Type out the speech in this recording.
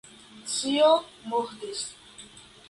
Ĉio mortis!